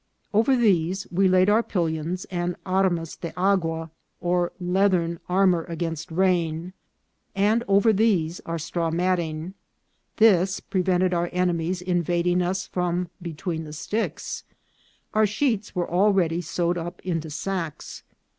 Over these we laid our pellons and armas de aguas, or leathern ar mour against rain, and over these our straw matting. This prevented our enemies invading us from between the sticks. Our sheets were already sewed up into sacks.